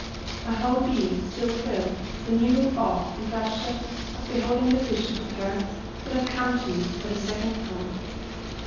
My whole being still thrilled with the mingled awe and rapture of beholding the Vision of her that had come to me for the second time.